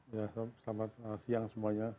ya selamat siang semuanya